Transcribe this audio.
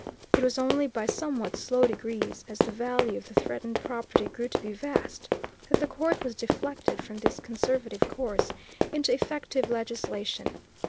It was only by somewhat slow degrees, as the value of the threatened property grew to be vast, that the Court was deflected from this conservative course into effective legislation.